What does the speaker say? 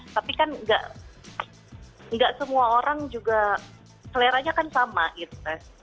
tapi kan nggak semua orang juga seleranya kan sama gitu